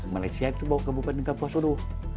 malaysia itu bawa ke kabupaten kapuasulu